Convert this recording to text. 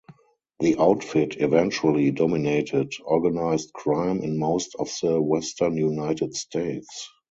The Outfit eventually dominated organized crime in most of the Western United States.